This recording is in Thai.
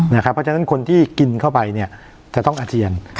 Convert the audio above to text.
เพราะฉะนั้นคนที่กินเข้าไปจะต้องอาเจียน